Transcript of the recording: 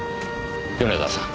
米沢さん